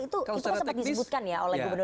itu sempat disebutkan ya